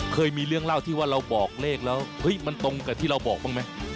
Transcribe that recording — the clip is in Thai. เคยมีเรื่องเล่าที่ว่าเราบอกเลขแล้วเฮ้ยมันตรงกับที่เราบอกบ้างไหม